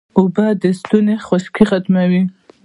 اوبه د ستوني خشکي ختموي